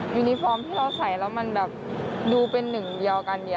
ยูนิฟอร์มที่เราใส่แล้วมันแบบดูเป็นหนึ่งเดียวกัน